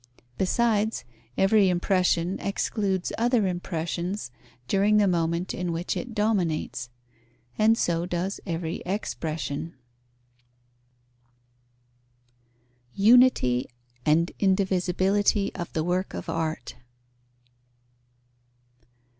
Besides, every impression excludes other impressions during the moment in which it dominates; and so does every expression. _Unity and indivisibility of the work of art.